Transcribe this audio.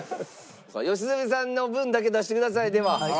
良純さんの分だけ出してくださいでは。